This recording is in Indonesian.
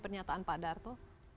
pernyataan pak darto